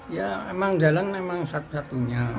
ya emang jalan emang satu satunya